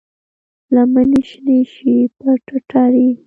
لمنې شنې شي پر ټټر یې،